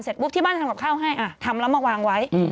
ปุ๊บที่บ้านทำกับข้าวให้ทำแล้วมาวางไว้